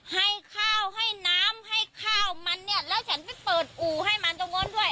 ให้ข้าวให้น้ำให้ข้าวมันเนี่ยแล้วฉันไปเปิดอู่ให้มันตรงโน้นด้วย